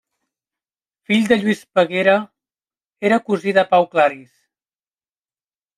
Fill de Lluís Peguera, era cosí de Pau Claris.